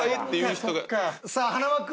さあ塙君